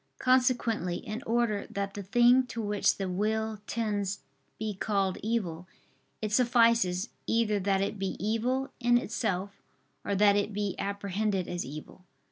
Consequently in order that the thing to which the will tends be called evil, it suffices, either that it be evil in itself, or that it be apprehended as evil.